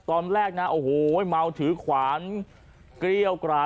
ตอนแรกนะโอ้โหเมาถือขวานเกรี้ยวกรา